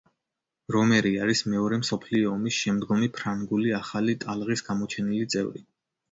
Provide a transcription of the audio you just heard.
რომერი არის მეორე მსოფლიო ომის შემდგომი ფრანგული ახალი ტალღის გამოჩენილი წევრი.